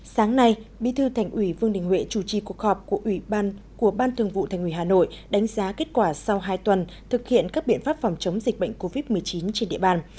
sáng nay bí thư thành ủy vương đình huệ chủ trì cuộc họp của ban thường vụ thành ủy hà nội đánh giá kết quả sau hai tuần thực hiện các biện pháp phòng chống dịch bệnh covid một mươi chín trên địa bàn